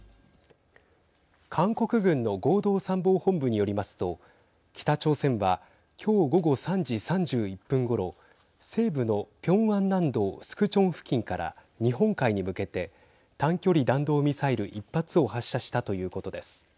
韓国軍の合同参謀本部によりますと北朝鮮は今日午後３時３１分ごろ西部のピョンアン南道スクチョン付近から日本海に向けて短距離弾道ミサイル１発を発射したということです。